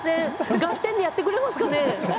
「ガッテン！」でやってくれますかね。